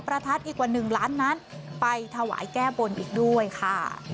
ทัดอีกกว่า๑ล้านนั้นไปถวายแก้บนอีกด้วยค่ะ